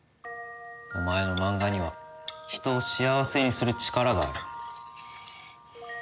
お前のマンガには人を幸せにする力がある。